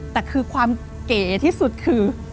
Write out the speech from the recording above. แต่คือความเก๋ที่สุดคือ